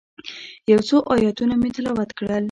یو څو آیتونه مې تلاوت کړل.